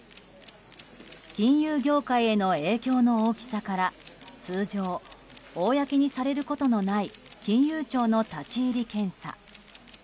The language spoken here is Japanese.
金融業界への影響の大きさから通常、公にされることのない金融庁の立ち入り検査。